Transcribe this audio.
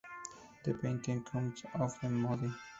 The painting comes out of my body.